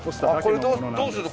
これどうするの？